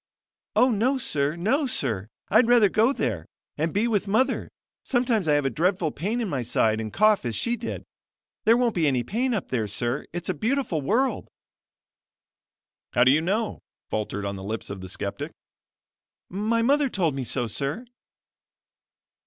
"Oh, no, sir! no, sir! I'd rather go there; and be with mother. Sometimes I have a dreadful pain in my side and cough as she did. There won't be any pain up there, sir; it's a beautiful world!" "How do you know?" faltered on the lips of the skeptic. "My mother told me so, sir."